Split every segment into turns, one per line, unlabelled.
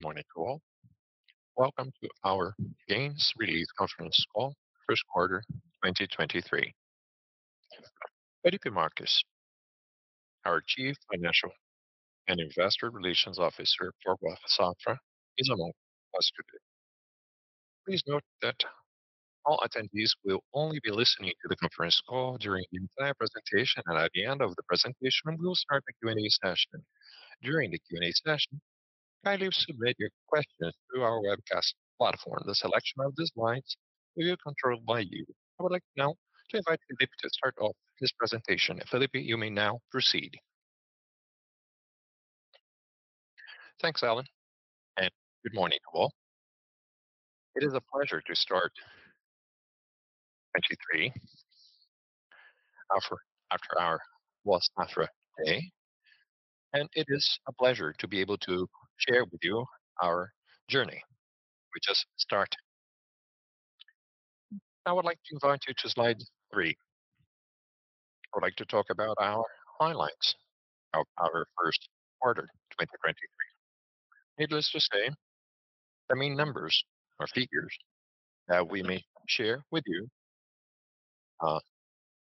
Morning to all. Welcome to our earnings release conference call, first quarter 2023. Felipe Marques, our Chief Financial and Investor Relations Officer for Boa Safra Sementes is among us today. Please note that all attendees will only be listening to the conference call during the entire presentation. At the end of the presentation, we will start the Q&A session. During the Q&A session, kindly submit your questions through our webcast platform. The selection of these lines will be controlled by you. I would like now to invite Felipe to start off his presentation. Felipe, you may now proceed.
Thanks, Alan. Good morning to all. It is a pleasure to start 2023 after our Boa Safra Day. It is a pleasure to be able to share with you our journey. We just start. I would like to invite you to slide three. I would like to talk about our highlights of our first quarter 2023. Needless to say, the main numbers or figures that we may share with you,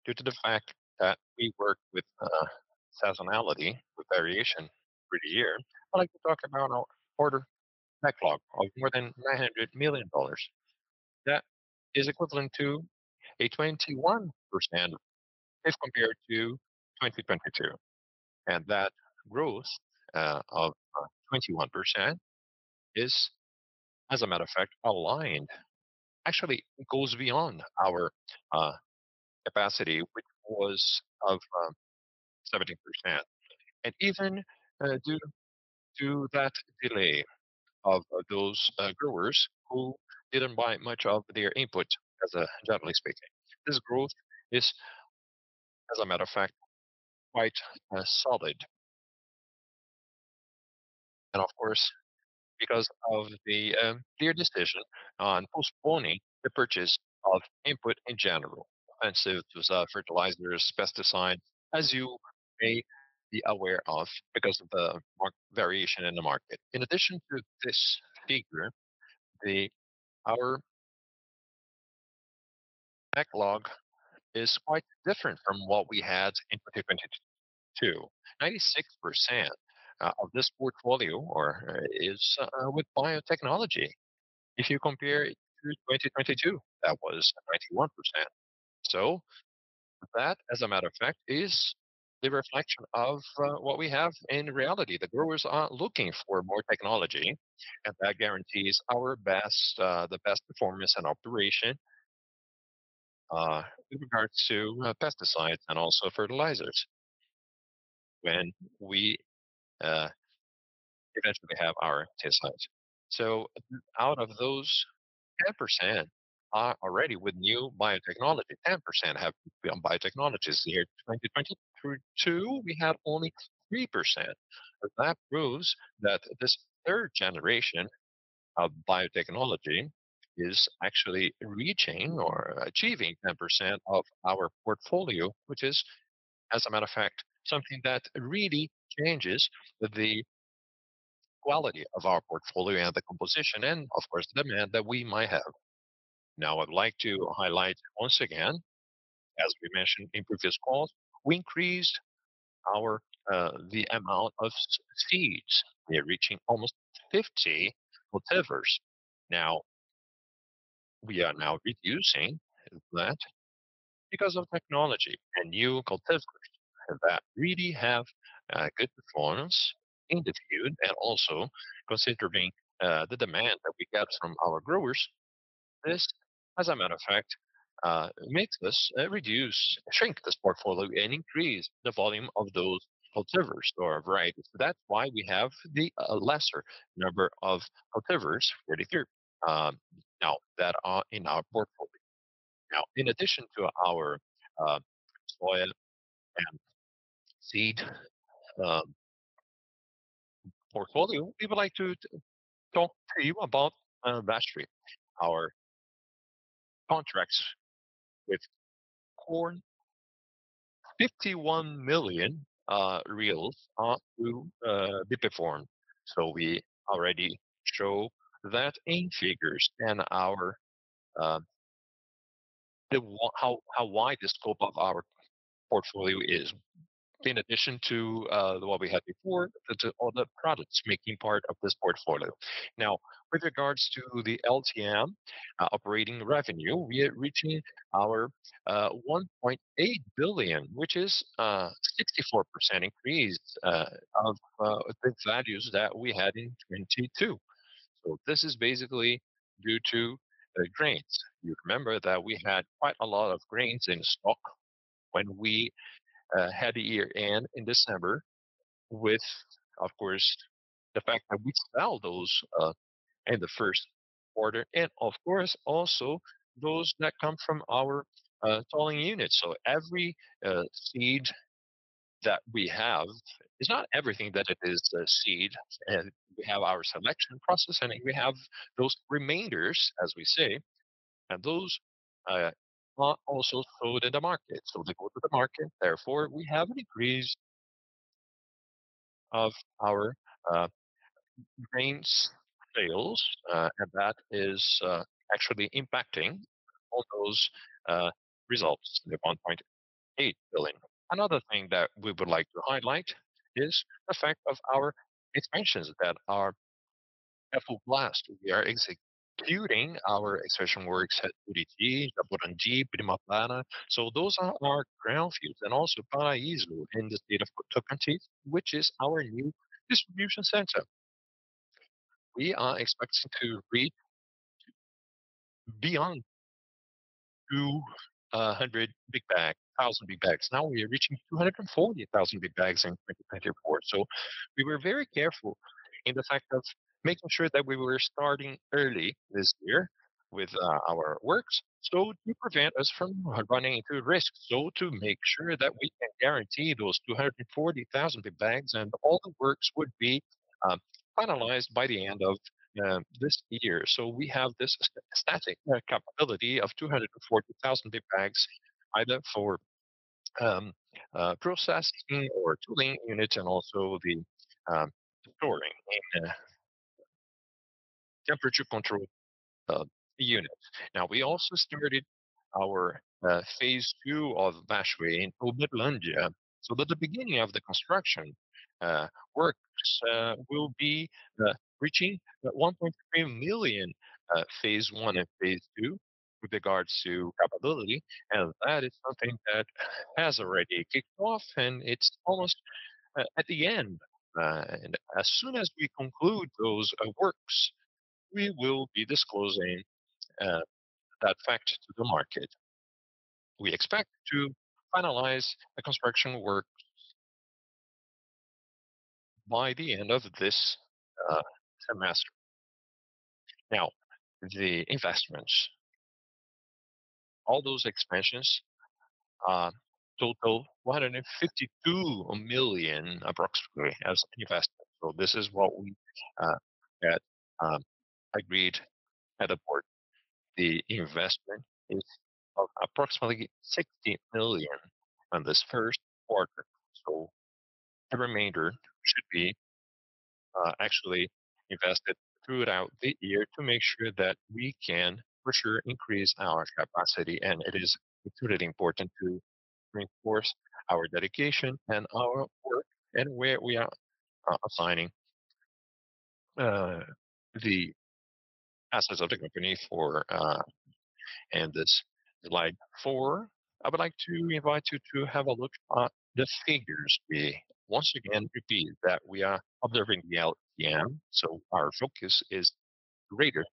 due to the fact that we work with seasonality, with variation every year, I'd like to talk about our order backlog of more than $900 million. That is equivalent to a 21% if compared to 2022. That growth of 21% is, as a matter of fact, aligned. Actually goes beyond our capacity, which was of 17%. Even due to that delay of those growers who didn't buy much of their input generally speaking, this growth is, as a matter of fact, quite solid. Of course, because of the, their decision on postponing the purchase of input in general, it was fertilizers, pesticides, as you may be aware of, because of the mark variation in the market. In addition to this figure, our backlog is quite different from what we had in 2022. 96% of this portfolio or, is with biotechnology. If you compare it to 2022, that was 91%. That, as a matter of fact, is the reflection of what we have in reality. The growers are looking for more technology, that guarantees our best, the best performance and operation, with regards to pesticides and also fertilizers when we eventually have our test sites. Out of those 10% are already with new biotechnology. 10% have been biotechnologies. In the year 2022, we had only 3%. That proves that this 3rd generation of biotechnology is actually reaching or achieving 10% of our portfolio, which is, as a matter of fact, something that really changes the quality of our portfolio and the composition and of course, the demand that we might have. I'd like to highlight once again, as we mentioned in previous calls, we increased our the amount of seeds. We are reaching almost 50 cultivars. We are now reducing that because of technology and new cultivars that really have good performance in the field and also considering the demand that we get from our growers. This, as a matter of fact, makes us reduce, shrink this portfolio and increase the volume of those cultivars or varieties. That's why we have the lesser number of cultivars, 43, now that are in our portfolio. In addition to our soil and seed portfolio, we would like to talk to you about Bestway. Our contracts with corn, 51 million, are to be performed. We already show that in figures and our how wide the scope of our portfolio is. In addition to what we had before, all the products making part of this portfolio. With regards to the LTM operating revenue, we are reaching our 1.8 billion, which is a 64% increase of the values that we had in 2022. This is basically due to the grains. You remember that we had quite a lot of grains in stock when we had the year-end in December with, of course, the fact that we sell those in the first quarter. Of course, also those that come from our tolling units. Every seed that we have, it's not everything that it is the seed, and we have our selection process, and we have those remainders, as we say. Those are also sold in the market. They go to the market, therefore, we have an increase of our grains sales, and that is actually impacting all those results, the 1.8 billion. Another thing that we would like to highlight is the fact of our expansions that are at full blast. We are executing our expansion works at Uberlândia, Jaborandi, Primavera do Leste. Those are our ground fields, and also Paraíso in the state of Tocantins, which is our new distribution center. We are expecting to reach beyond 2,000 big bags. Now we are reaching 240,000 big bags in 2024. We were very careful in the fact of making sure that we were starting early this year with our works to prevent us from running into risks. To make sure that we can guarantee those 240,000 big bags and all the works would be finalized by the end of this year. We have this static capability of 240,000 big bags either for processing or tolling units and also the storing in a temperature-controlled unit. We also started our phase II of Felipe in Uberlândia. That the beginning of the construction works will be reaching 1.3 million, phase I and phase II with regards to capability. That is something that has already kicked off, and it's almost at the end. As soon as we conclude those works, we will be disclosing that fact to the market. We expect to finalize the construction work by the end of this semester. The investments. All those expansions total 152 million approximately as investment. This is what we had agreed at the board. The investment is approximately 60 million on this first quarter. The remainder should be actually invested throughout the year to make sure that we can for sure increase our capacity. It is truly important to reinforce our dedication and our work and where we are assigning the assets of the company for. This slide four, I would like to invite you to have a look at the figures. We once again repeat that we are observing the LTM, so our focus is greater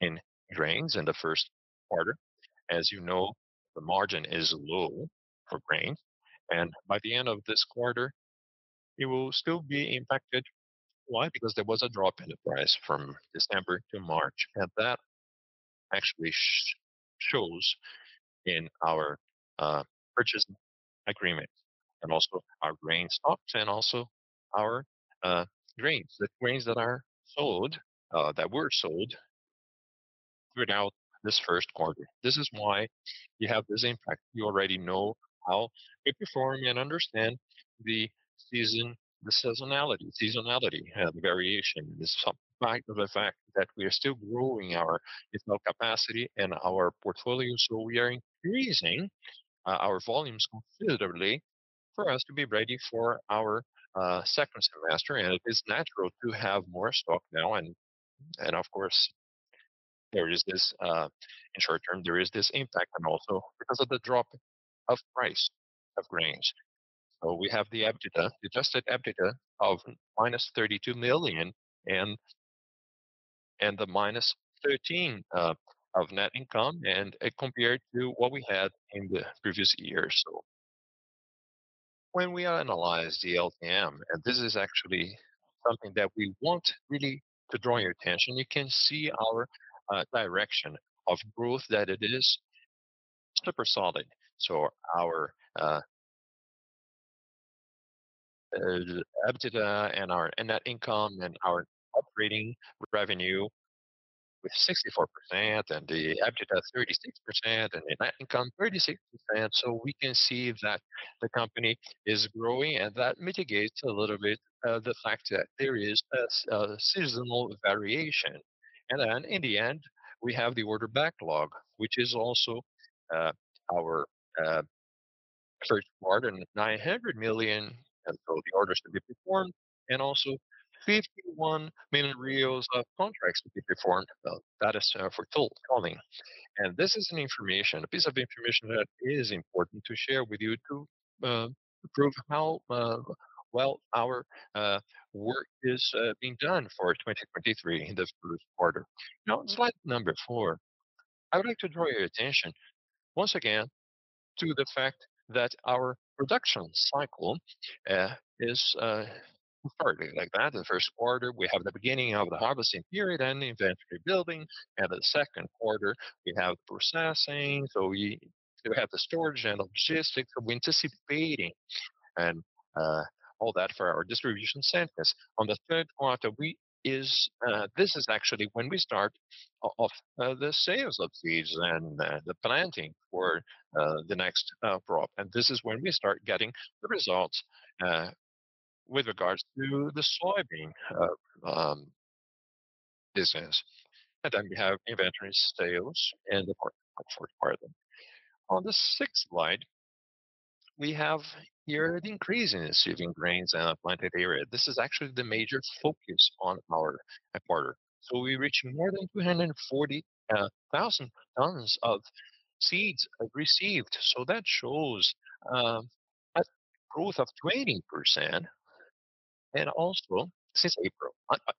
in grains in the first quarter. As you know, the margin is low for grain, and by the end of this quarter, it will still be impacted. Why? Because there was a drop in the price from December to March, and that actually shows in our purchase agreement and also our grain stocks and also our grains. The grains that are sold that were sold throughout this first quarter. This is why you have this impact. You already know how we perform and understand the season, the seasonality and variation despite of the fact that we are still growing our ethanol capacity and our portfolio. We are increasing our volumes considerably for us to be ready for our second semester, and it is natural to have more stock now and of course there is this in short term, there is this impact and also because of the drop of price of grains. We have the EBITDA, Adjusted EBITDA of -32 million and the -13 of net income and compared to what we had in the previous year or so. When we analyze the LTM, and this is actually something that we want really to draw your attention, you can see our direction of growth that it is super solid. Our EBITDA and our net income and our operating revenue with 64% and the EBITDA 36% and the net income 36%. We can see that the company is growing and that mitigates a little bit the fact that there is a seasonal variation. In the end, we have the order backlog, which is also our first quarter 900 million, the orders to be performed and also 51 million of contracts to be performed. That is for total coming. This is an information, a piece of information that is important to share with you to prove how well our work is being done for 2023 in the first quarter. Slide number four. I would like to draw your attention once again to the fact that our production cycle is working like that. The first quarter, we have the beginning of the harvesting period and the inventory building. The second quarter, we have processing. We have the storage and logistics of anticipating and all that for our distribution centers. On the third quarter, we is, this is actually when we start of the sales of seeds and the planting for the next crop. This is when we start getting the results with regards to the soybean business. Then we have inventory sales and the fourth part of them. On the sixth slide, we have here the increase in receiving grains and planted area. This is actually the major focus on our quarter. We reach more than 240,000 tons of seeds received. That shows a growth of 20% and also since April,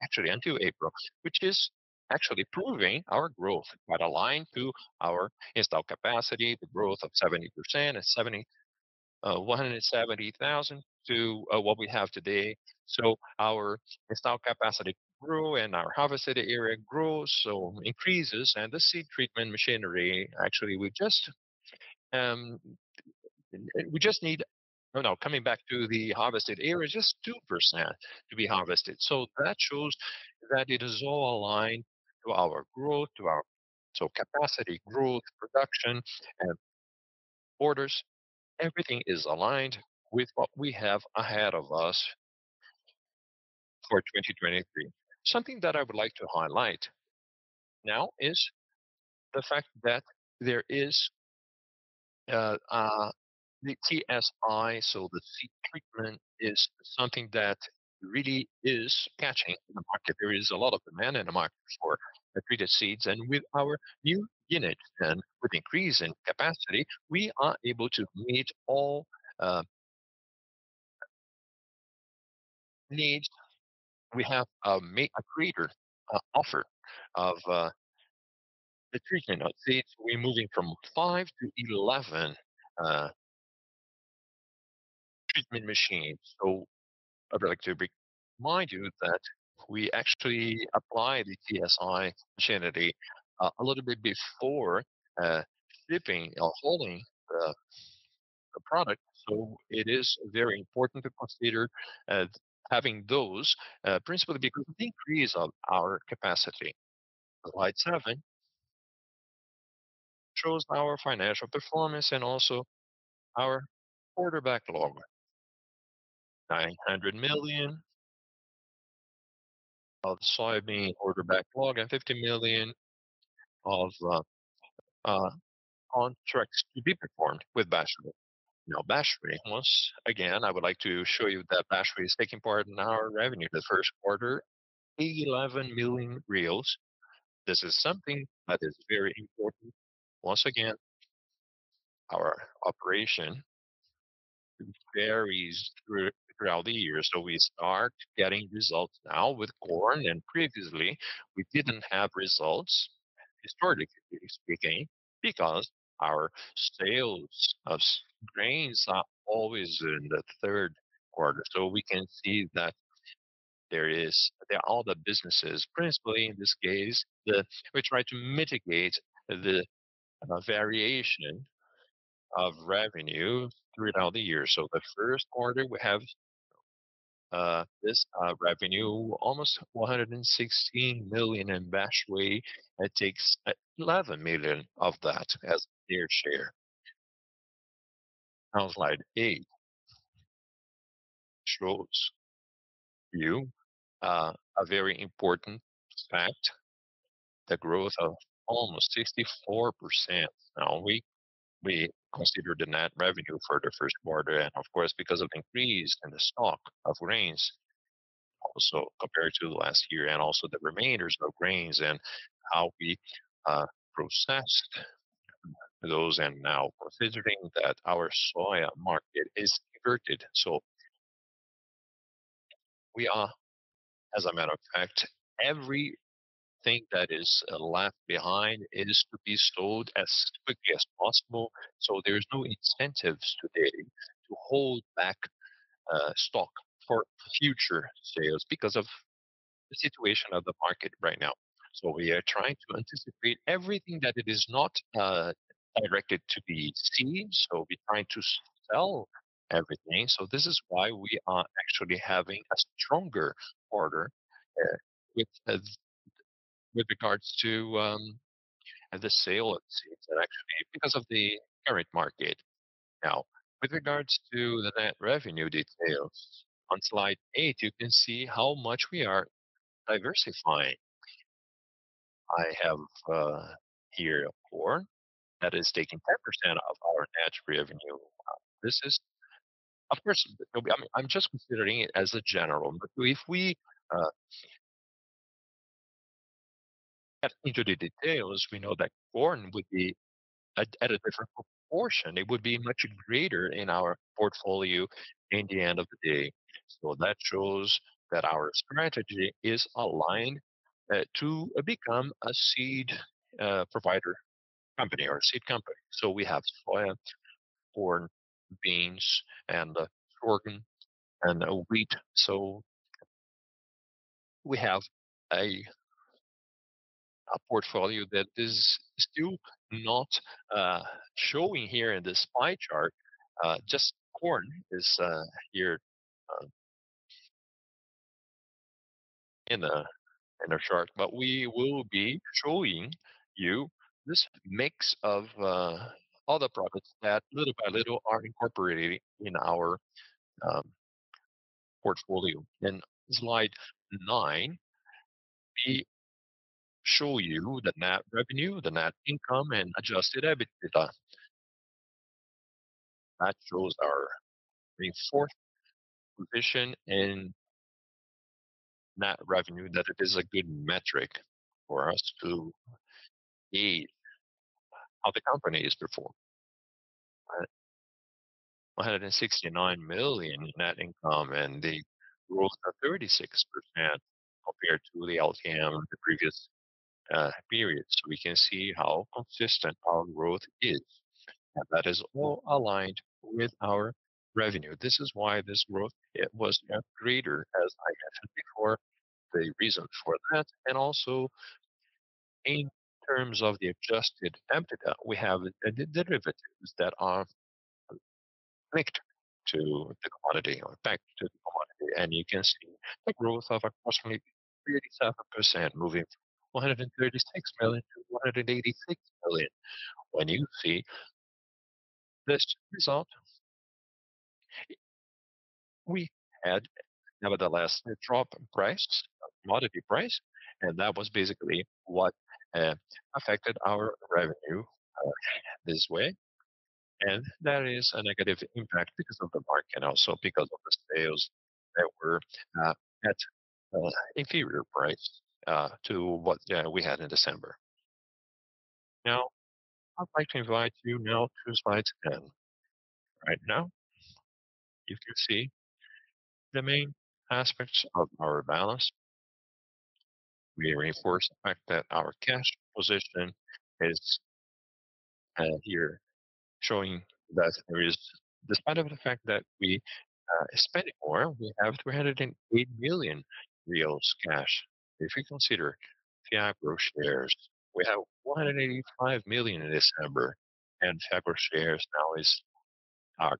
actually until April, which is actually proving our growth quite aligned to our install capacity, the growth of 70% and 170,000 to what we have today. Our install capacity grew and our harvested area grows, so increases. The seed treatment machinery, actually. Oh, no, coming back to the harvested area, just 2% to be harvested. That shows that it is all aligned to our growth, capacity growth, production and orders, everything is aligned with what we have ahead of us for 2023. Something that I would like to highlight now is the fact that there is the TSI, so the seed treatment is something that really is catching in the market. There is a lot of demand in the market for treated seeds. With our new unit and with increase in capacity, we are able to meet all needs. We have a greater offer of the treatment of seeds. We're moving from five to 11 treatment machines. I'd like to remind you that we actually apply the TSI machinery a little bit before shipping or holding the product. It is very important to consider having those principally because of the increase of our capacity. Slide seven shows our financial performance and also our order backlog. 900 million of soybean order backlog and 50 million of contracts to be performed with Boa Safra. You know, Boa Safra, once again, I would like to show you that Boa Safra is taking part in our revenue. The first quarter, [BRL 80, 11 milllion]. This is something that is very important. Once again, our operation varies throughout the year. We start getting results now with corn, and previously we didn't have results, historically speaking, because our sales of grains are always in the third quarter. We can see that there are the businesses, principally in this case, we try to mitigate the variation of revenue throughout the year. The first quarter, we have this revenue almost 116 million in Boa Safra. It takes 11 million of that as their share. Slide eight shows you a very important fact, the growth of almost 64%. We consider the net revenue for the 1st quarter, of course, because of increase in the stock of grains also compared to last year, also the remainders of grains and how we processed those and considering that our soya market is diverted. We are, as a matter of fact, everything that is left behind is to be sold as quickly as possible, so there's no incentives today to hold back stock for future sales because of the situation of the market right now. We are trying to anticipate everything that it is not directed to be seeds, we're trying to sell everything. This is why we are actually having a stronger quarter with regards to the sale of seeds and actually because of the current market. With regards to the net revenue details, on slide eight, you can see how much we are diversifying. I have here corn that is taking 10% of our net revenue. This is of course, you know, I'm just considering it as a general. If we get into the details, we know that corn would be at a different proportion. It would be much greater in our portfolio in the end of the day. That shows that our strategy is aligned to become a seed provider company or a seed company. We have soya, corn, beans, sorghum, and wheat. We have a portfolio that is still not showing here in this pie chart. Just corn is here in a chart. We will be showing you this mix of other products that little by little are incorporated in our portfolio. In slide 9, we show you the net revenue, the net income, and Adjusted EBITDA. That shows our reinforced position in net revenue, that it is a good metric for us to see how the company is performing. 169 million in net income, and the growth of 36% compared to the LTM, the previous period. We can see how consistent our growth is. That is all aligned with our revenue. This is why this growth, it was greater, as I mentioned before, the reason for that. Also in terms of the Adjusted EBITDA, we have the derivatives that are linked to the commodity or backed to the commodity. You can see the growth of approximately 37%, moving from 136 million to 186 million. When you see this result, we had nevertheless a drop in price, commodity price, and that was basically what affected our revenue this way. There is a negative impact because of the market also, because of the sales that were at inferior price to what we had in December. Now, I'd like to invite you now to slide 10. Right now, you can see the main aspects of our balance. We reinforce the fact that our cash position is here showing that there is. Despite of the fact that we are spending more, we have 308 million reais cash. If we consider Fiagro shares, we have 185 million in December, and Fiagro shares now are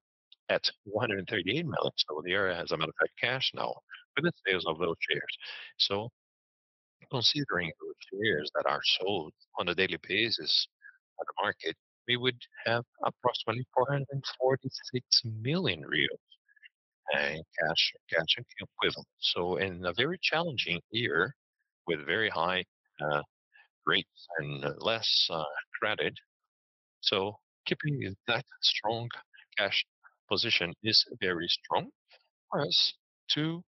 at 113 million. We are as a matter of fact cash now with the sales of those shares. Considering those shares that are sold on a daily basis at the market, we would have approximately 446 million reais in cash and cash equivalent. In a very challenging year with very high rates and less credit. Keeping that strong cash position is very strong for us to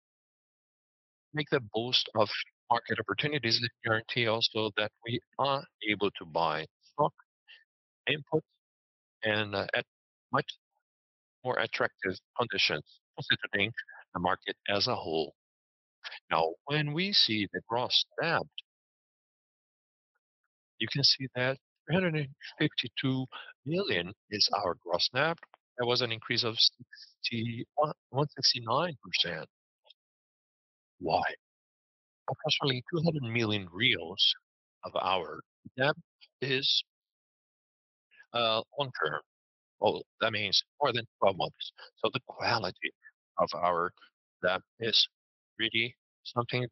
make the most of market opportunities that guarantee also that we are able to buy stock, input, and at much more attractive conditions considering the market as a whole. When we see the gross debt, you can see that 352 million is our gross debt. There was an increase of 61.69%. Why? Approximately 200 million reais of our debt is long-term. Well, that means more than 12 months. The quality of our debt is really something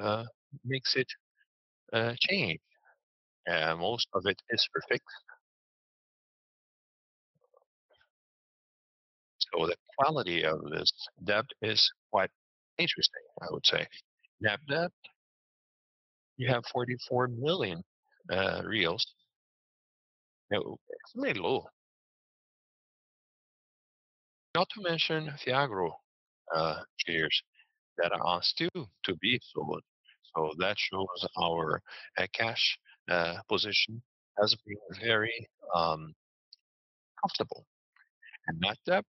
that makes it change. Most of it is for fixed. The quality of this debt is quite interesting, I would say. Net debt, you have BRL 44 million. Extremely low. Not to mention Fiagro shares that are still to be sold. That shows our cash position as being very comfortable. Net debt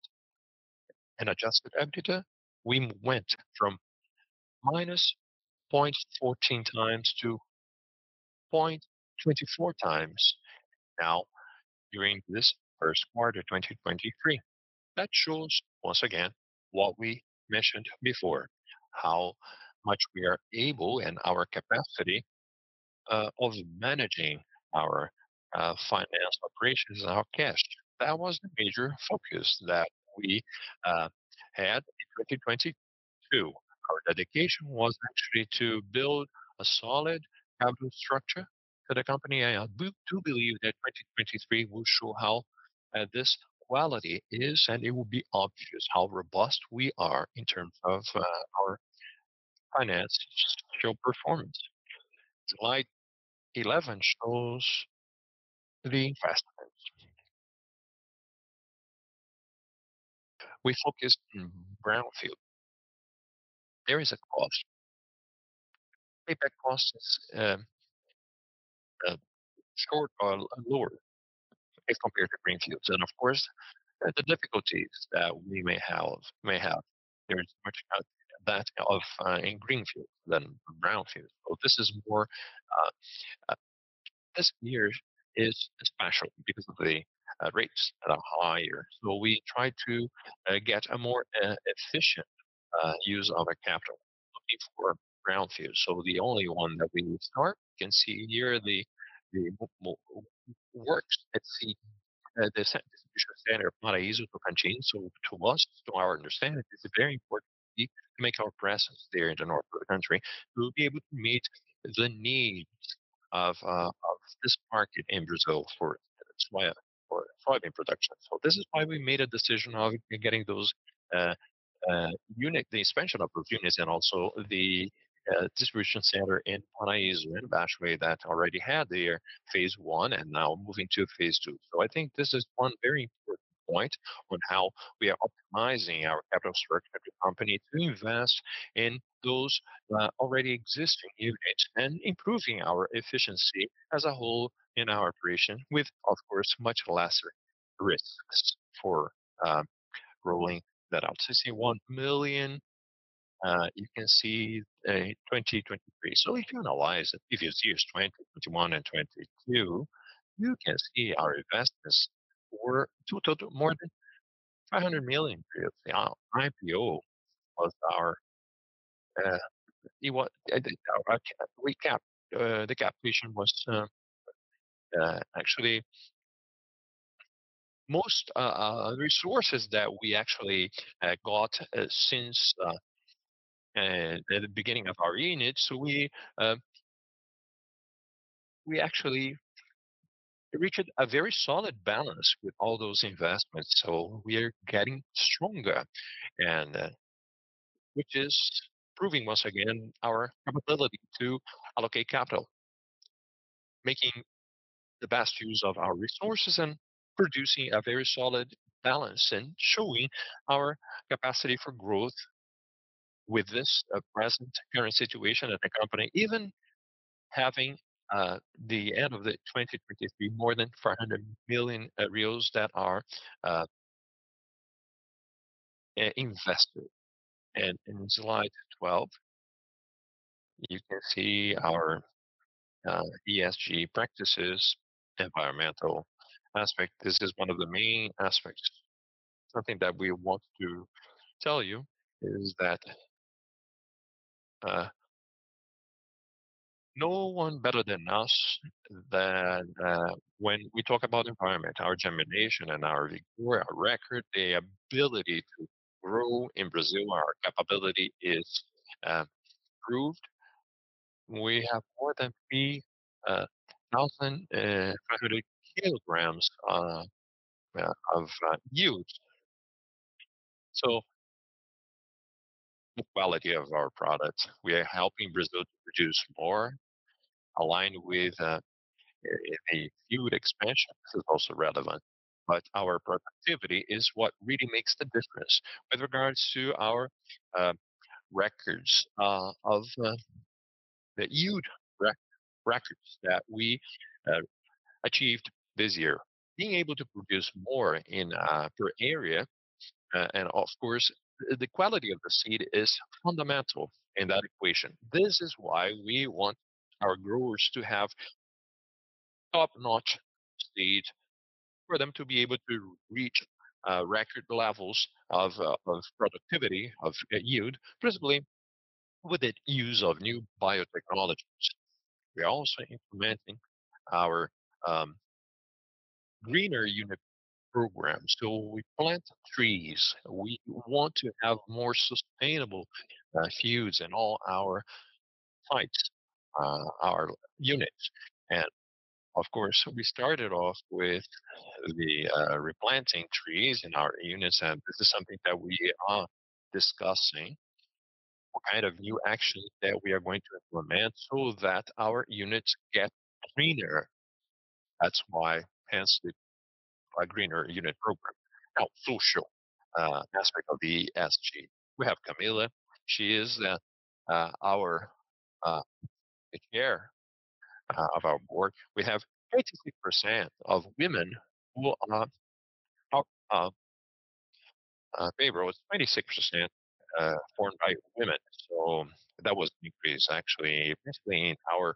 and adjusted EBITDA, we went from -0.14x to 0.24x now during this first quarter 2023. That shows, once again, what we mentioned before, how much we are able and our capacity of managing our financial operations and our cash. That was the major focus that we had in 2022. Our dedication was actually to build a solid capital structure for the company. We do believe that 2023 will show how this quality is, and it will be obvious how robust we are in terms of our financial performance. Slide 11 shows the investments. We focused on brownfield. There is a cost. Payback cost is short or lower as compared to greenfields. Of course, the difficulties that we may have, there is much of that of in greenfields than brownfields. This year is special because the rates are higher. We try to get a more efficient use of our capital looking for ground fields. The only one that we start, you can see here the works at the distribution center Paraíso do Tocantins. To us, to our understanding, it's very important to make our presence there in the north of the country. We'll be able to meet the needs of this market in Brazil for soybean production. This is why we made a decision of getting those units, the expansion of those units and also the distribution center in Paraíso and Bestway that already had their phase I and now moving to phase II. I think this is one very important point on how we are optimizing our capital structure of the company to invest in those already existing units and improving our efficiency as a whole in our operation with, of course, much lesser risks for rolling that out. 61 million, you can see 2023. If you analyze the previous years, 2021 and 2022, you can see our investments were more than 500 million. The IPO was our recap. The cap vision was actually most resources that we actually got since the beginning of our unit. We actually reached a very solid balance with all those investments. We are getting stronger and which is proving once again our capability to allocate capital, making the best use of our resources and producing a very solid balance and showing our capacity for growth with this present current situation at the company, even having the end of the 2023 more than 500 million that are invested. In slide 12, you can see our ESG practices, environmental aspect. This is one of the main aspects. Something that we want to tell you is that no one better than us that when we talk about environment, our germination and our record, the ability to grow in Brazil, our capability is proved. We have more than 3,500 kg of yield. The quality of our products, we are helping Brazil to produce more aligned with a yield expansion. This is also relevant, but our productivity is what really makes the difference with regards to our records of the yield records that we achieved this year. Being able to produce more in per area. Of course, the quality of the seed is fundamental in that equation. This is why we want our growers to have top-notch seed for them to be able to reach record levels of productivity, of yield, principally with the use of new biotechnologies. We're also implementing our Greener Unit Program. We plant trees. We want to have more sustainable fields in all our sites, our units. Of course, we started off with the replanting trees in our units. This is something that we are discussing, what kind of new actions that we are going to implement so that our units get greener. That's why, hence the Greener Unit Program. Social aspect of the ESG. We have Camila. She is our Chair of our board. We have 86% of women. Our labor was 96% formed by women. That was an increase actually, principally in our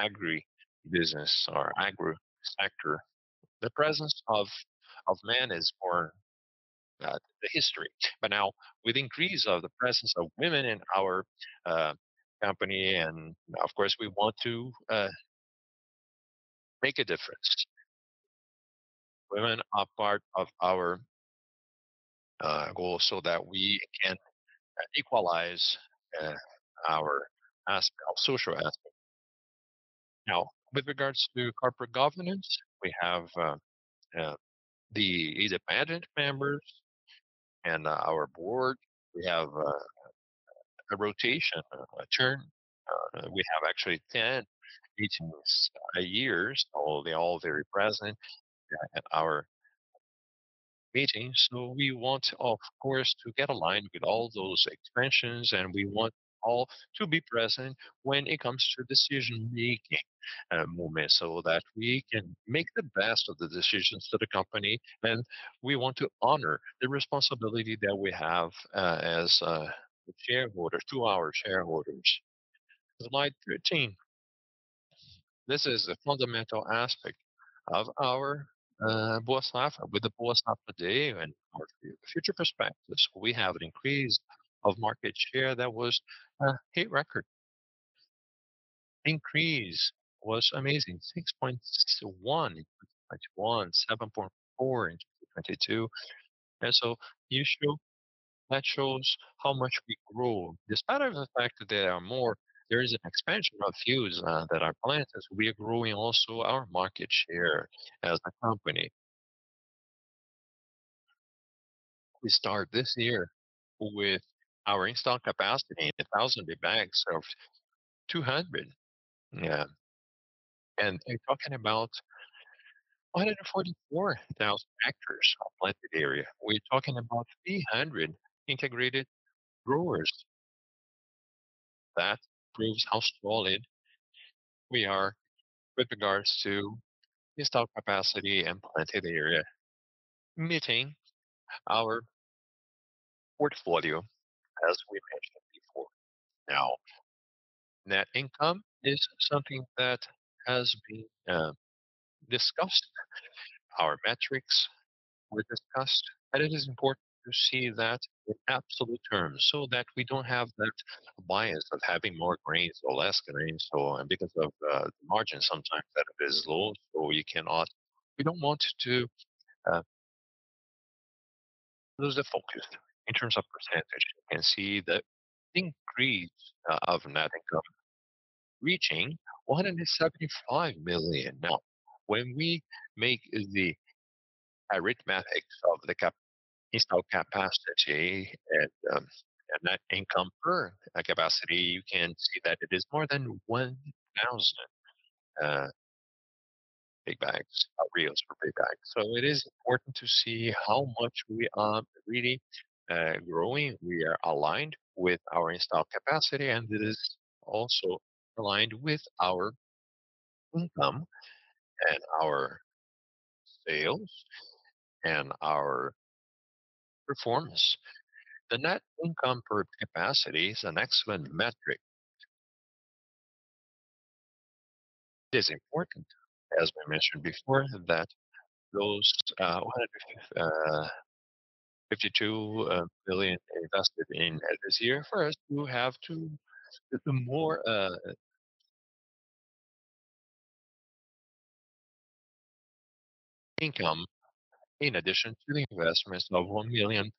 agribusiness or agri sector. The presence of men is more the history. Now with increase of the presence of women in our company, and of course, we want to make a difference. Women are part of our goal so that we can equalize our social aspect. With regards to corporate governance, we have the management members and our board. We have a rotation, a turn. We have actually 10 meetings a year. They're all very present at our meetings. We want, of course, to get aligned with all those expansions. We want all to be present when it comes to decision-making moments so that we can make the best of the decisions to the company. We want to honor the responsibility that we have as the shareholder, to our shareholders. Slide 13. This is a fundamental aspect of our Boa Safra. With the Boa Safra today and our future perspectives, we have an increase of market share that was hit record. Increase was amazing, 6.61% in 2021, 7.4% in 2022. That shows how much we grow. Despite of the fact that there are more, there is an expansion of fields that are planted, we are growing also our market share as a company. We start this year with our installed capacity in 1,000 big bags of 200. We're talking about 144,000 hectares of planted area. We're talking about 300 integrated growers. That proves how solid we are with regards to installed capacity and planted area, meeting our portfolio as we mentioned before. Net income is something that has been discussed. Our metrics were discussed, and it is important to see that in absolute terms, so that we don't have that bias of having more grains or less grains. Because of the margin sometimes that it is low, we don't want to lose the focus. In terms of percentage, you can see the increase of net income reaching 175 million. When we make the arithmetic of the cap-installed capacity and net income per capacity, you can see that it is more than 1,000 big bags, or BRL per big bag. It is important to see how much we are really growing. We are aligned with our installed capacity, and it is also aligned with our income and our sales and our performance. The net income per capacity is an excellent metric. It is important, as we mentioned before, that those 152 billion invested in this year, first you have to get the more income in addition to the investments of 1.3 million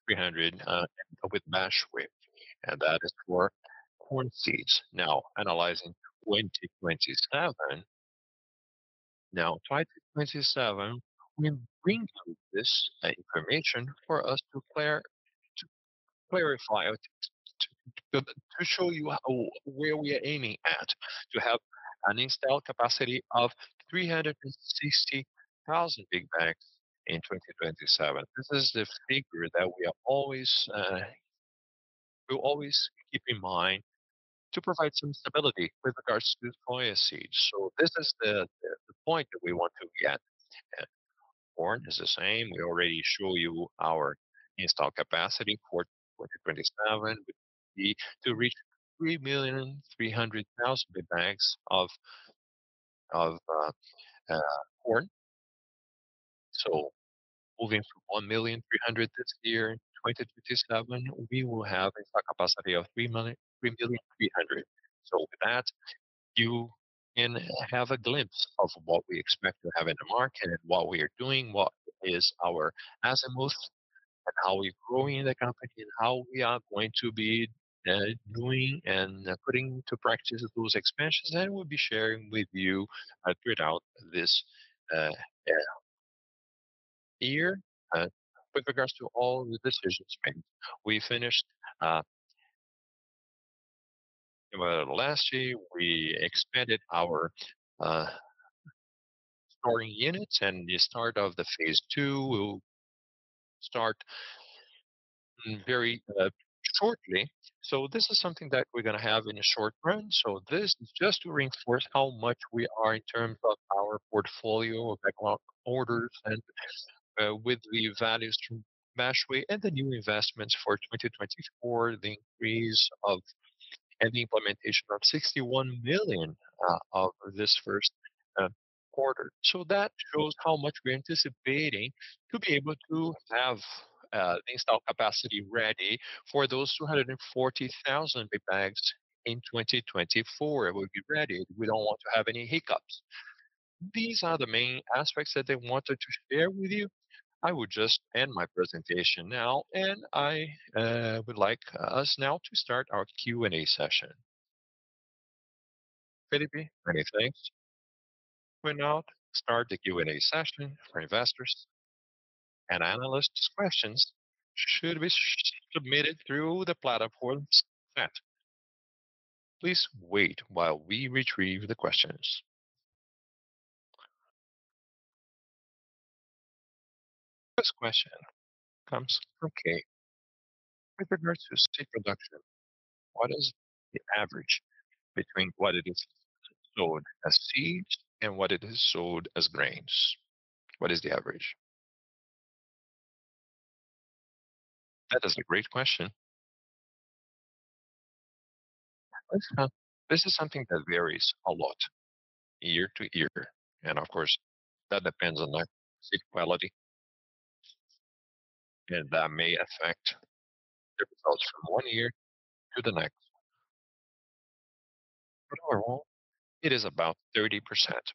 with Bestway, and that is for corn seeds. Analyzing 2027. 2027, we bring you this information for us to clarify or to show you where we are aiming at, to have an installed capacity of 360,000 big bags in 2027. This is the figure that we are always, we always keep in mind to provide some stability with regards to the soya seeds. This is the point that we want to get. Corn is the same. We already show you our installed capacity for 2027, which is to reach 3,300,000 big bags of corn. Moving from 1,300,000 this year, in 2027, we will have a capacity of 3,300,000. With that, you can have a glimpse of what we expect to have in the market and what we are doing, what is our assets, and how we're growing the company, and how we are going to be doing and putting to practice those expansions that we'll be sharing with you throughout this year with regards to all the decisions made. We finished last year, we expanded our storing units, and the start of the phase II will start very shortly. This is something that we're gonna have in the short run. This is just to reinforce how much we are in terms of our portfolio, our backlog orders, and with the values from Bestway and the new investments for 2024, the increase of and the implementation of 61 million of this first quarter. That shows how much we're anticipating to be able to have the installed capacity ready for those 240,000 big bags in 2024. It will be ready. We don't want to have any hiccups. These are the main aspects that I wanted to share with you. I will just end my presentation now, and I would like us now to start our Q&A session.
Felipe, anything? We now start the Q&A session for investors and analysts. Questions should be submitted through the platform's chat. Please wait while we retrieve the questions. First question comes from Kate. With regards to seed production, what is the average between what it is sold as seeds and what it is sold as grains? What is the average?
That is a great question. This is something that varies a lot year to year, and of course, that depends on the seed quality, and that may affect the results from one year to the next. It is about 30%. 30%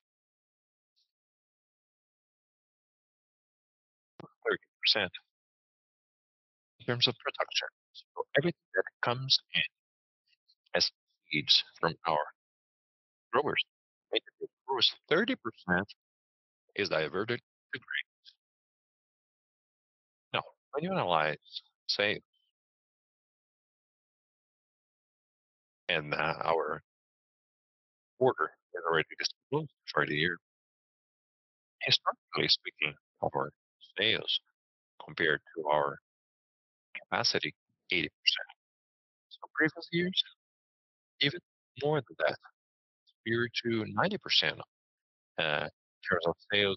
in terms of production. Everything that comes in as seeds from our growers, 30% is diverted to grains. When you analyze sales and our order that already is closed for the year, historically speaking of our sales compared to our capacity, 80%. Previous years, even more than that, 80%-90% in terms of sales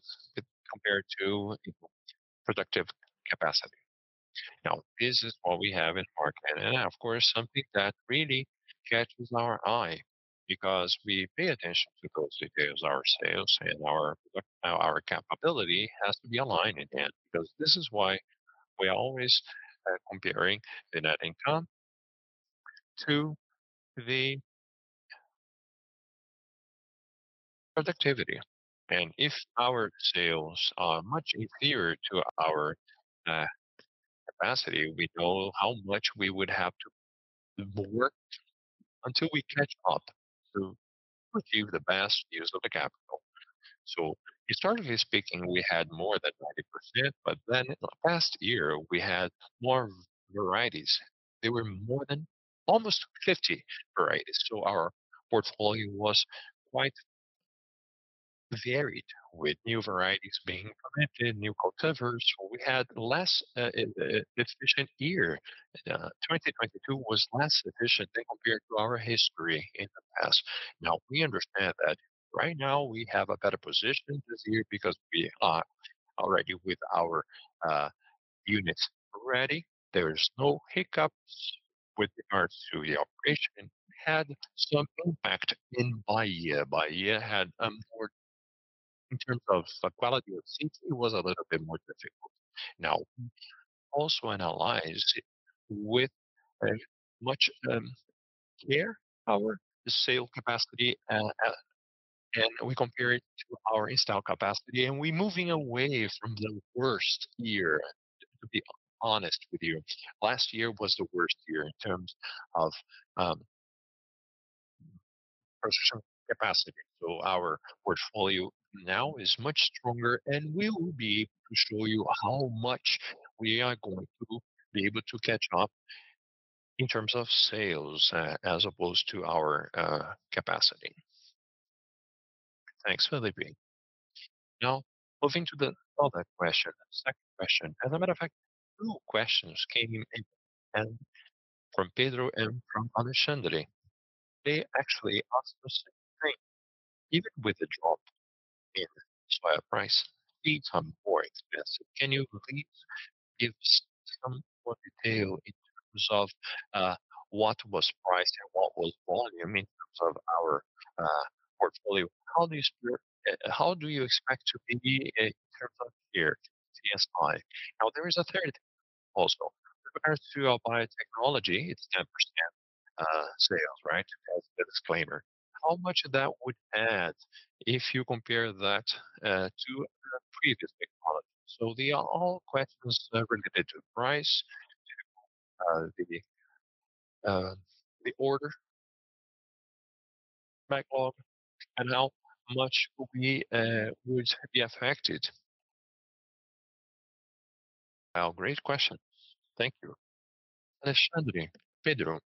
compared to productive capacity. This is what we have in our Canada. Of course, something that really catches our eye because we pay attention to those details, our sales and our capability has to be aligned in the end because this is why we are always comparing the net income to the productivity. If our sales are much inferior to our capacity, we know how much we would have to work until we catch up to achieve the best use of the capital. Historically speaking, we had more than 90%, in the past year, we had more varieties. There were more than almost 50 varieties. Our portfolio was quite varied with new varieties being implemented, new cultivars. We had less efficient year. 2022 was less efficient than compared to our history in the past. We understand that right now we have a better position this year because we are already with our units ready. There is no hiccups with regards to the operation. It had some impact in Bahia. Bahia had more in terms of quality of seeds. It was a little bit more difficult. We also analyze with much care our sale capacity and we compare it to our install capacity, and we're moving away from the worst year, to be honest with you. Last year was the worst year in terms of production capacity. Our portfolio now is much stronger, and we will be able to show you how much we are going to be able to catch up in terms of sales as opposed to our capacity. Thanks, Felipe. Moving to the other question, second question. As a matter of fact, two questions came in from Pedro and from Alexandre. They actually asked the same thing. Even with the drop in soil price, seeds are more expensive. Can you please give some more detail in terms of what was price and what was volume in terms of our portfolio? How do you expect to be in terms of year TSI? There is a third also. Regards to our biotechnology, it's 10% sales, right, as a disclaimer. How much that would add if you compare that to previous technology? They are all questions related to price, to the order backlog and how much we would be affected. Well, great questions. Thank you, Alexandre, Pedro.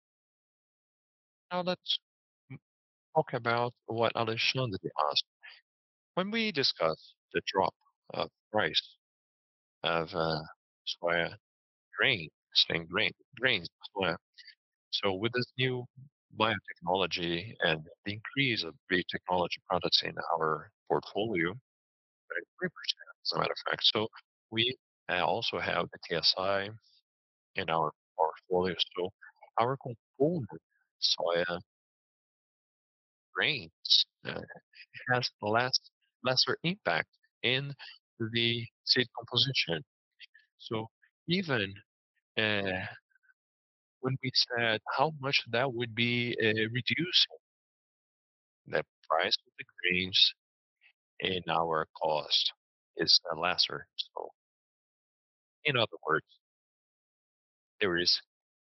Let's talk about what Alexandre asked. When we discuss the drop of price of soya grain, same grain, grains soya. With this new biotechnology and the increase of biotechnology products in our portfolio, 33% as a matter of fact. We also have the TSI in our portfolio. Our component soya grains has lesser impact in the seed composition. Even when we said how much that would be reduced, the price of the grains and our cost is lesser. In other words, there is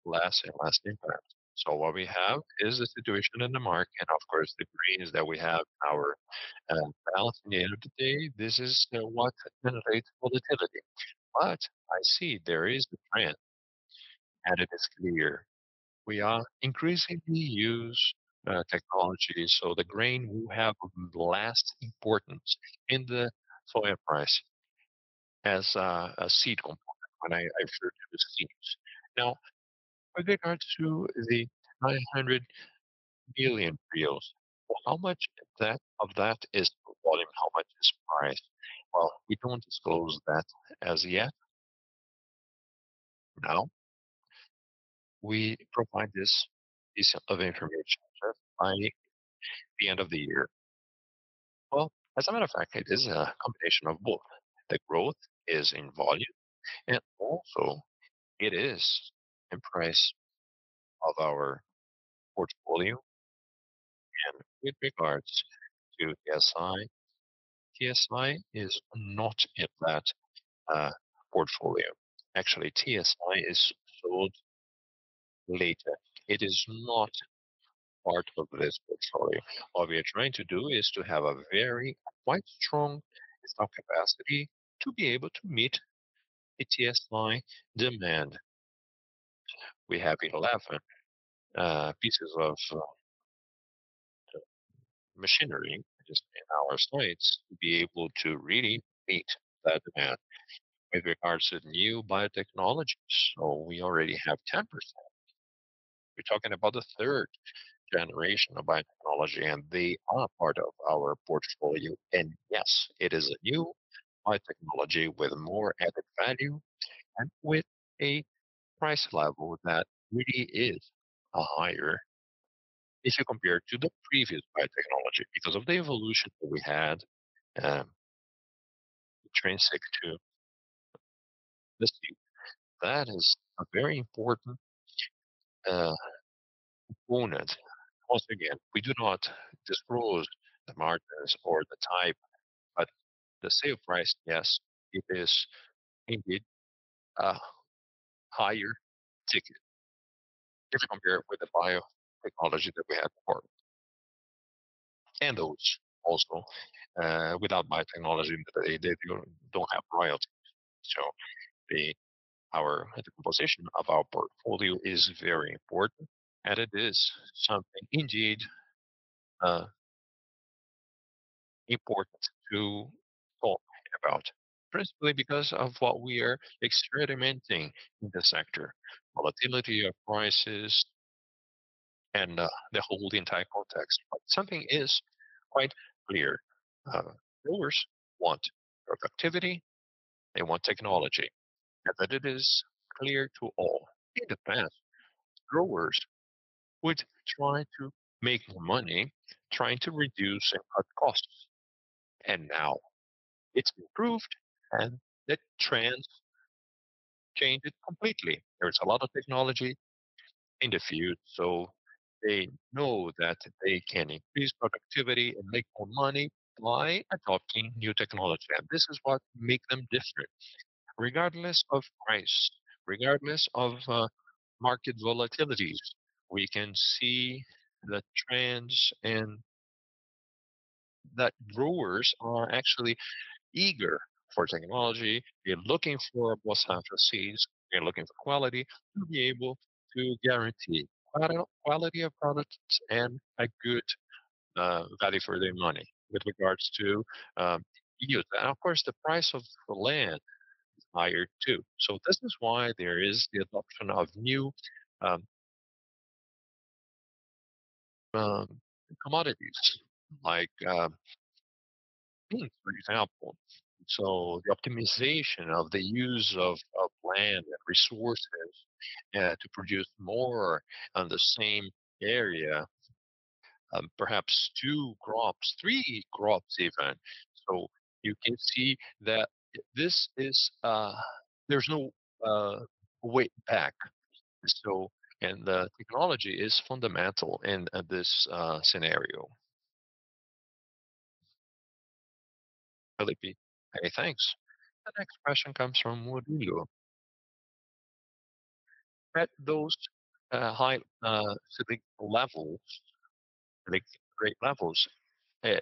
less and less impact. What we have is the situation in the market. Of course, the grains that we have our balance at the end of the day, this is what generates volatility. I see there is the trend and it is clear. We are increasingly use technology. The grain will have less importance in the soy price as a seed component when I refer to the seeds. With regards to the 900 million. How much of that is the volume? How much is price? We don't disclose that as yet. For now, we provide this piece of information by the end of the year. As a matter of fact, it is a combination of both. The growth is in volume, and also it is in price of our portfolio. With regards to TSI is not in that portfolio. Actually, TSI is sold later. It is not part of this portfolio. What we are trying to do is to have a very quite strong stock capacity to be able to meet the TSI demand. We have 11 pieces of machinery just in our sites to be able to really meet that demand. With regards to new biotechnologies, we already have 10%. We're talking about the third generation of biotechnology, they are part of our portfolio. Yes, it is a new biotechnology with more added value and with a price level that really is higher if you compare to the previous biotechnology because of the evolution that we had to translate to this view. That is a very important component. Once again, we do not disclose the markets or the type, but the sale price, yes, it is indeed a higher ticket if you compare with the biotechnology that we had before. Those also, without biotechnology, they don't have royalties. Our composition of our portfolio is very important, and it is something indeed important to talk about, principally because of what we are experimenting in the sector, volatility of prices and the whole entire context. Something is quite clear. Growers want productivity, they want technology, and that it is clear to all. In the past, growers would try to make money trying to reduce and cut costs, and now it's improved, and the trends change it completely. There's a lot of technology in the field, so they know that they can increase productivity and make more money by adopting new technology. This is what make them different. Regardless of price, regardless of market volatility, we can see the trends and that growers are actually eager for technology. They're looking for Boa Safra seeds, they're looking for quality to be able to guarantee quality of products and a good value for their money with regards to yield. Of course, the price of the land is higher too. This is why there is the adoption of new commodities like beans, for example. The optimization of the use of land and resources to produce more on the same area, perhaps two crops, three crops even. You can see that this is, there's no way back. The technology is fundamental in this scenario. Felipe. Hey, thanks. The next question comes from Rodolfo. At those, high, SELIC levels, like great levels, Is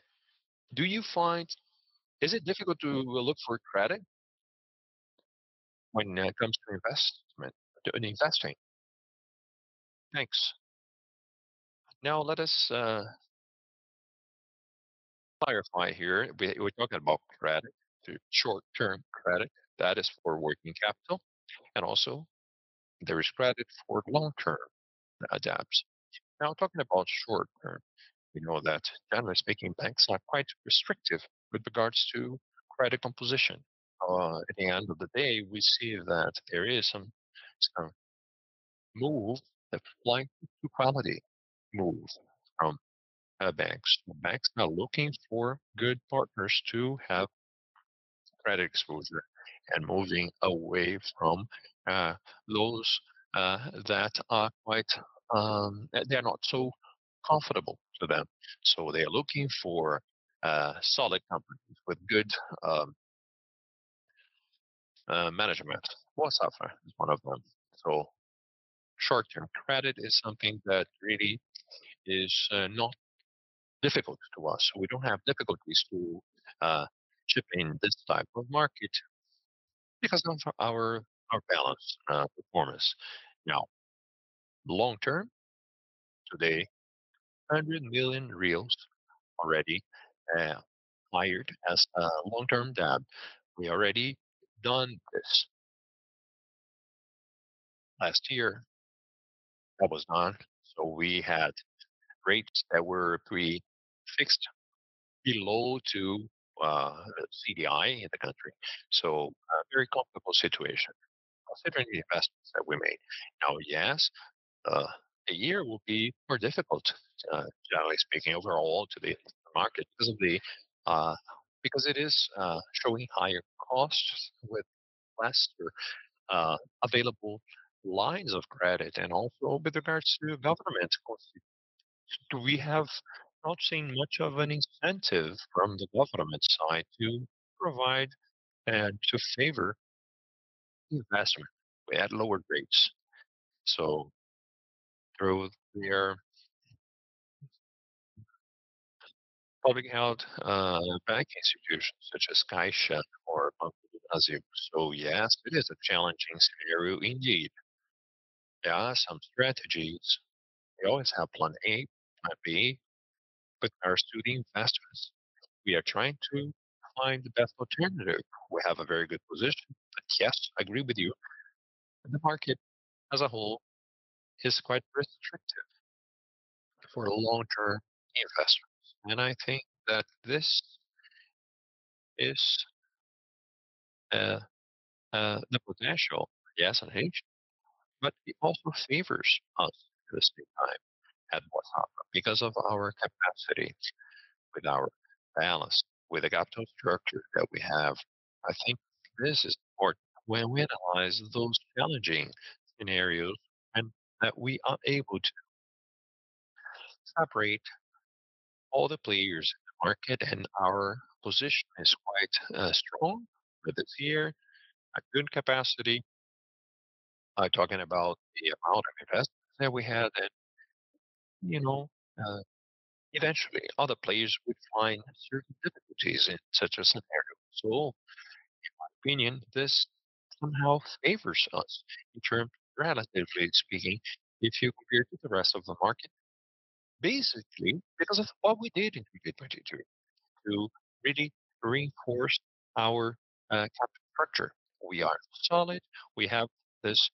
it difficult to look for credit when it comes to investment, to an investment? Thanks. Let us clarify here. We're talking about credit, the short-term credit, that is for working capital, and also there is credit for long-term adapts. Talking about short-term, we know that generally speaking, banks are quite restrictive with regards to credit composition. At the end of the day, we see that there is some move, a flight to quality move from banks. Banks are looking for good partners to have credit exposure and moving away from those that are quite, they're not so comfortable to them. They are looking for solid companies with good management. Boa Safra is one of them. Short-term credit is something that really is not difficult to us. We don't have difficulties to chip in this type of market because of our balance performance. Now, long term, today, 100 million already acquired as a long-term debt. We already done this. Last year, that was not. We had rates that were pretty fixed below to CDI in the country. A very comfortable situation considering the investments that we made. Now, yes, the year will be more difficult, generally speaking, overall to the market because it is showing higher costs with lesser available lines of credit and also with regards to government costs. We have not seen much of an incentive from the government side to provide and to favor investment at lower rates. Through their public health bank institutions such as Caixa or Banco do Brasil. Yes, it is a challenging scenario indeed. There are some strategies. We always have plan A, plan B with our student investors. We are trying to find the best alternative. We have a very good position. Yes, I agree with you. The market as a whole is quite restrictive for long-term investors. I think that this is the potential for yes and no. It also favors us in this time at Boa Safra because of our capacity with our balance, with the capital structure that we have. I think this is important when we analyze those challenging scenarios and that we are able to separate all the players in the market and our position is quite strong for this year. A good capacity. I'm talking about the amount of investments that we had. You know, eventually other players would find certain difficulties in such a scenario. In my opinion, this somehow favors us in terms of relatively speaking if you compare to the rest of the market. Basically, because of what we did in 2022 to really reinforce our capital structure. We are solid. We have this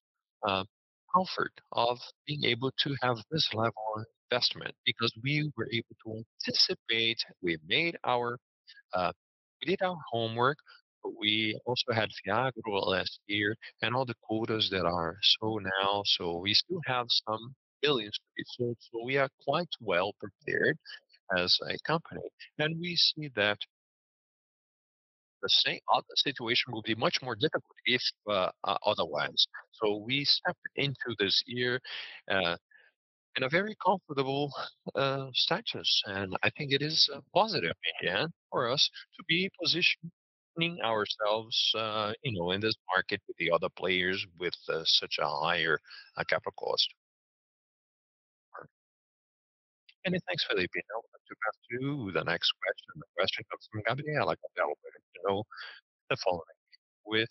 comfort of being able to have this level of investment because we were able to anticipate. We did our homework. We also had Fiagro last year and all the quotas that are sold now. We still have some billions to be sold. We are quite well prepared as a company. We see that the situation will be much more difficult if otherwise. We step into this year in a very comfortable status. I think it is positive again for us to be positioning ourselves, you know, in this market with the other players with such a higher capital cost. Many thanks, Felipe. We have to pass to the next question. The question comes from Gabriel. I like to know the following. With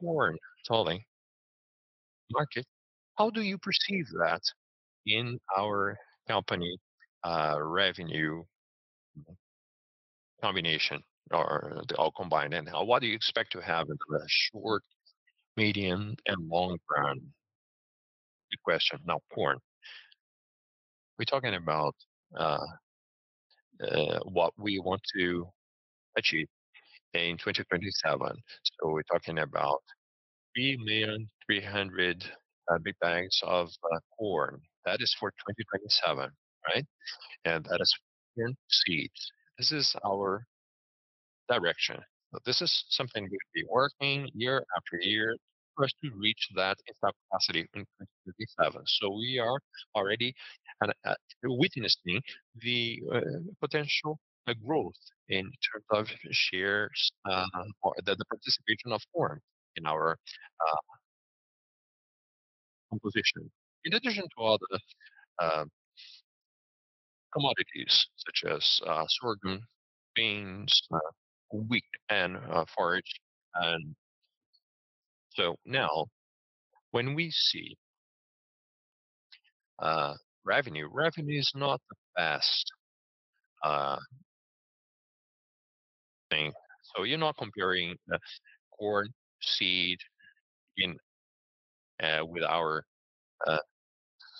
corn tolling market, how do you perceive that in our company revenue combination or all combined? What do you expect to have in the short, medium and long run? Good question. Corn. We're talking about what we want to achieve in 2027. We're talking about 3,300 big bags of corn. That is for 2027, right? That is in seeds. This is our direction. This is something we've been working year after year for us to reach that capacity in 2027. We are already witnessing the potential growth in terms of shares or the participation of corn in our composition. In addition to other commodities such as sorghum, beans, wheat and forage. Now when we see revenue is not the best thing. You're not comparing corn seed with our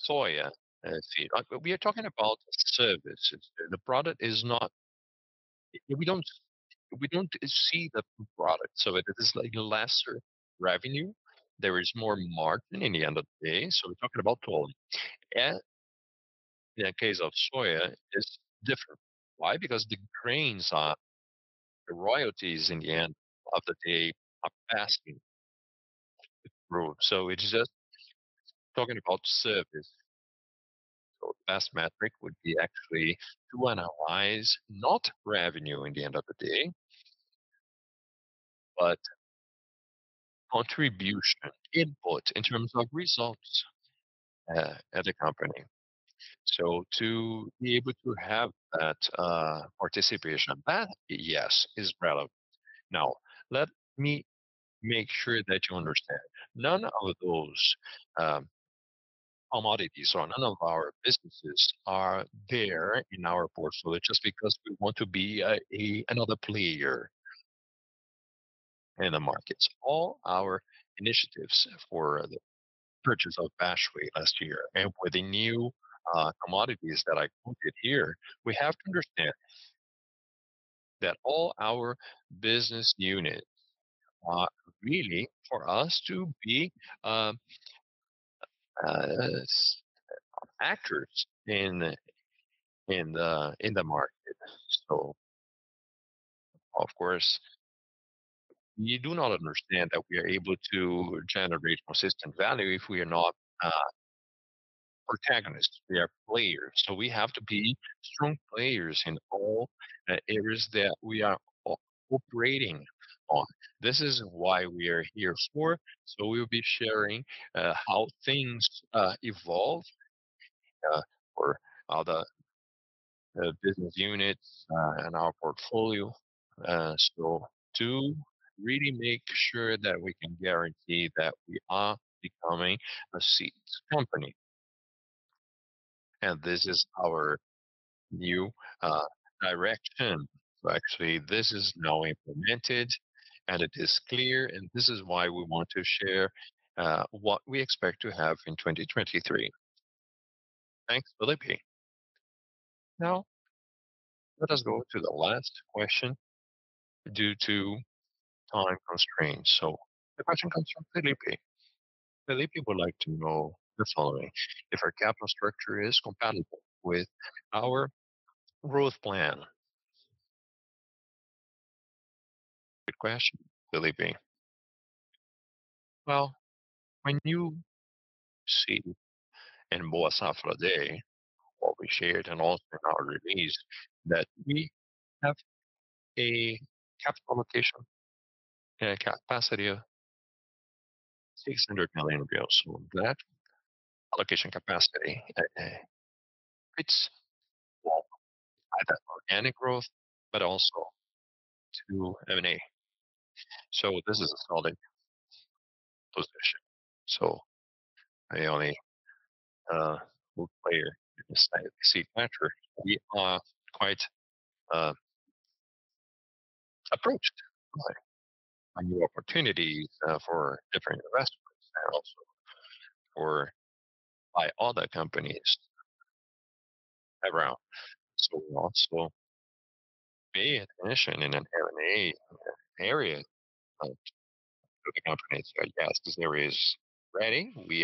soya seed. We are talking about services. We don't see the product. It is like lesser revenue. There is more margin in the end of the day. We're talking about tolling. In the case of soya, it's different. Why? Because the grains are. The royalties in the end of the day are passing through. It's just talking about service. Best metric would be actually to analyze not revenue in the end of the day, but contribution input in terms of results at the company. To be able to have that participation, that, yes, is relevant. Now, let me make sure that you understand. None of those commodities or none of our businesses are there in our portfolio just because we want to be another player in the markets. All our initiatives for the purchase of Bestway last year and with the new commodities that I quoted here, we have to understand that all our business units are really for us to be actors in the market. Of course, you do not understand that we are able to generate consistent value if we are not protagonists. We are players. We have to be strong players in all areas that we are operating on. This is why we are here for. We'll be sharing how things evolve for other business units in our portfolio, to really make sure that we can guarantee that we are becoming a seeds company. This is our new direction. Actually this is now implemented, and it is clear, and this is why we want to share what we expect to have in 2023. Thanks, Felipe. Let us go to the last question due to time constraints. The question comes from Felipe. Felipe would like to know the following: If our capital structure is compatible with our growth plan. Good question, Felipe. When you see in Boa Safra Day what we shared and also in our release that we have a capital allocation capacity of 600 million. That allocation capacity, it's organic growth but also to M&A. This is a solid position. The only role player in this seed matter, we are quite approached by a new opportunity for different investments and also by other companies around. We also be an acquisition in an M&A area of the company. Yes, this area is ready. We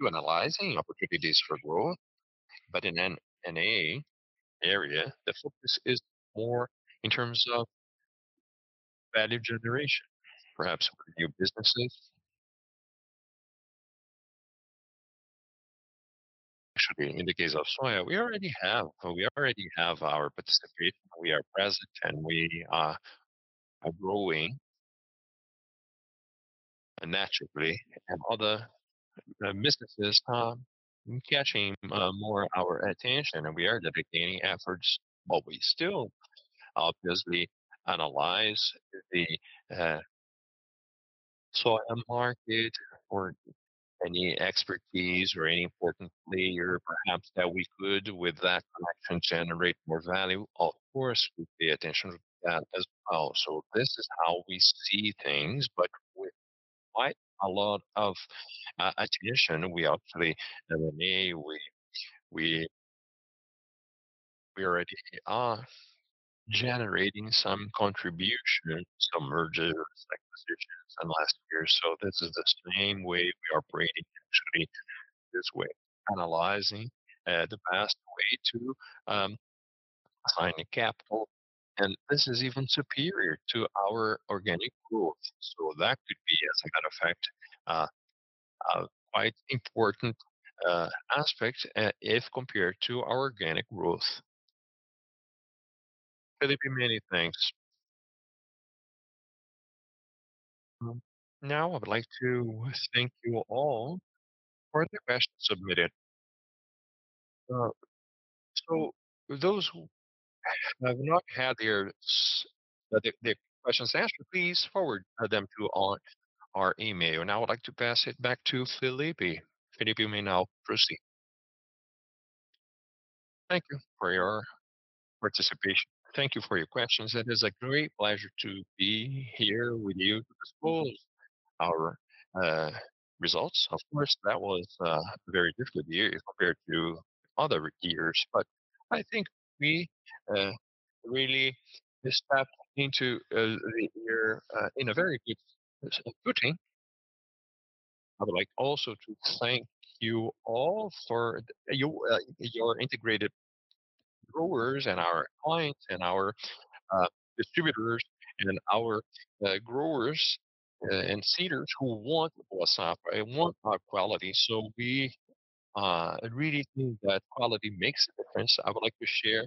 do analyzing opportunities for growth. In M&A area, the focus is more in terms of value generation, perhaps for new businesses. Actually, in the case of soya, we already have our participation. We are present, and we are growing naturally, and other businesses are catching more our attention, and we are dedicating efforts. We still obviously analyze the soya market for any expertise or any important player perhaps that we could with that connection generate more value. Of course, we pay attention to that as well. This is how we see things, but with quite a lot of acquisition, we actually M&A, we already are generating some contribution, some mergers, acquisitions in last year. This is the same way we are operating actually this way, analyzing the best way to assign a capital. This is even superior to our organic growth. That could be, as a matter of fact, a quite important aspect, if compared to our organic growth. Felipe, many thanks.
Now I would like to thank you all for the questions submitted. Those who have not had their questions asked, please forward them to our email. Now I would like to pass it back to Felipe. Felipe, you may now proceed.
Thank you for your participation. Thank you for your questions. It is a great pleasure to be here with you to disclose our results. Of course, that was a very difficult year compared to other years. I think we really stepped into the year in a very good position. I would like also to thank you all for you, your integrated growers and our clients and our distributors and our growers and seeders who want Boa Safra and want our quality. We really think that quality makes a difference. I would like to share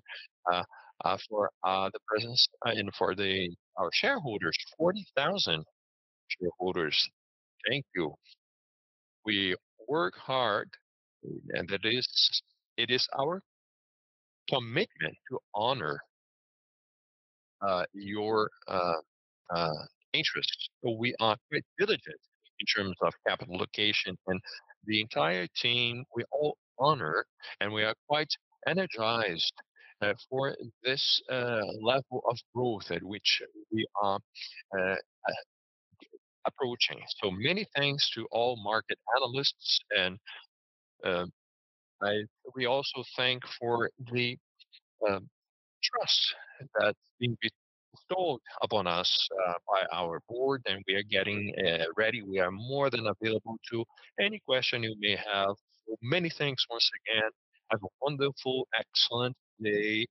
for the presence and for our shareholders, 40,000 shareholders. Thank you. We work hard, and it is our commitment to honor your interests. We are quite diligent in terms of capital allocation. The entire team, we all honor, and we are quite energized, for this level of growth at which we are approaching. Many thanks to all market analysts. We also thank for the trust that's been bestowed upon us by our board, and we are getting ready. We are more than available to any question you may have. Many thanks once again. Have a wonderful, excellent day.